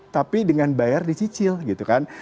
tapi dengan bayar dicicil gitu kan